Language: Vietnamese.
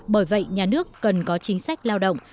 bởi vậy nhà nước cần có chính sách lao động